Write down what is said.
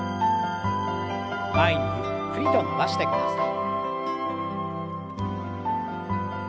前にゆっくりと伸ばしてください。